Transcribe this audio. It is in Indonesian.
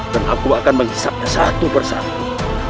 dan aku akan menghisapnya satu persatu